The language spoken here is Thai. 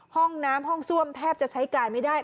ห้องน้ำห้องซ่วมแทบจะใช้การไม่ได้